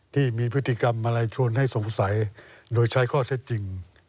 ที่มีพฤติกรรมอะไรชวนให้สงสัยโดยใช้ข้อเท็จจริง